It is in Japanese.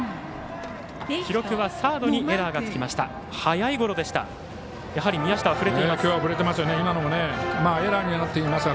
記録はサードにエラーがつきました。